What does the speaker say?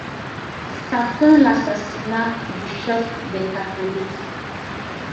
Sa fin, l'assassinat du chef des catholiques.